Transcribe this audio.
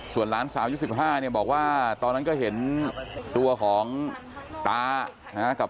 ส่วนหลานสาวยุค๑๕เนี่ยบอกว่าตอนนั้นก็เห็นตัวของตากับ